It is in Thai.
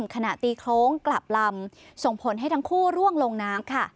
ตีโค้งกลับลำส่งผลให้ทั้งคู่ร่วงลงน้ำค่ะ